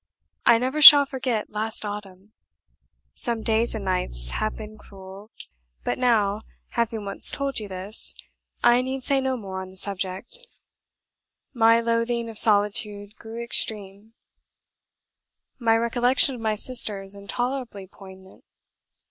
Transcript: I never shall forget last autumn! Some days and nights have been cruel; but now, having once told you this, I need say no more on the subject. My loathing of solitude grew extreme; my recollection of my sisters intolerably poignant.